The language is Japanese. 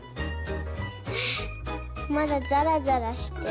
あまだざらざらしてる。